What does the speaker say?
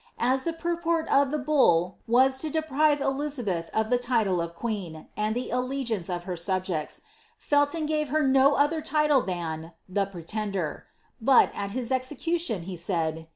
As the purport of the bull was to deprive Elizabeth of the tide of queen, and the allegiance of her subjects, Felton gave her no other title than ^ the pretender ;" but, at his execution, he said.